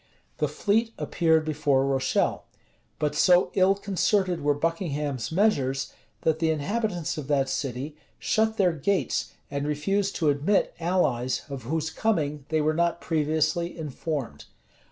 The fleet appeared before Rochelle; but so ill concerted were Buckingham's measures, that the inhabitants of that city shut their gates and refused to admit allies of whose coming they were not previously informed.